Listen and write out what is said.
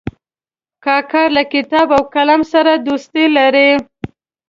کاکړ له کتاب او قلم سره دوستي لري.